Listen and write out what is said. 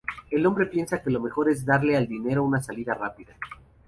El hombre piensa que lo mejor es darle al dinero una salida rápida.